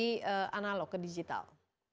dari analog ke digital